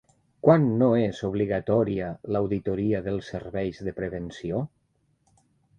Quan no és obligatòria l'auditoria dels serveis de prevenció?